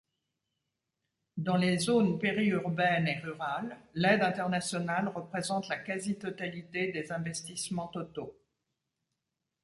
Dans les zones périurbaines et rurales, l’aide internationale représente la quasi-totalité des investissements totaux.